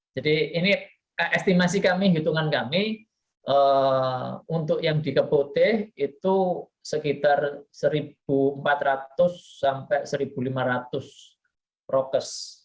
ini estimasi kami hitungan kami untuk yang di keboteh itu sekitar satu empat ratus sampai satu lima ratus prokes